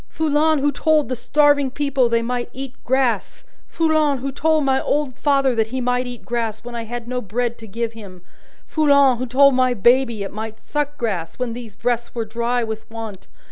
Foulon who told the starving people they might eat grass! Foulon who told my old father that he might eat grass, when I had no bread to give him! Foulon who told my baby it might suck grass, when these breasts were dry with want!